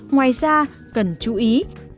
ngoài ra cần chú ý